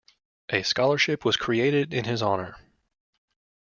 A scholarship was created in his honor.